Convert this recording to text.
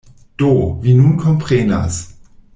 Do, vi nun komprenas.